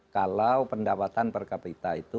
kalau pendapatan per kapita itu